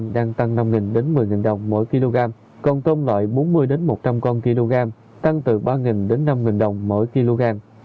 đang tăng năm một mươi đồng mỗi kg còn tôm loại bốn mươi một trăm linh con kg tăng từ ba đến năm đồng mỗi kg